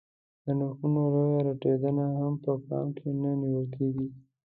د نرخو لویه راټیټېدنه هم په پام کې نه نیول کېږي